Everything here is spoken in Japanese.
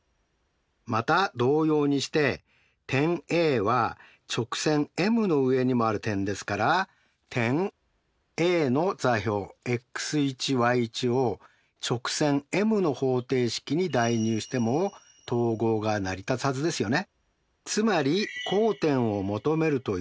また同様にして点Ａは直線ｍの上にもある点ですから点Ａの座標を直線ｍの方程式に代入しても等号が成り立つはずですよね。